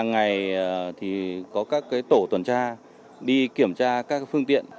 hàng ngày thì có các tổ tuần tra đi kiểm tra các phương tiện